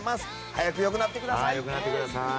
早く良くなってください。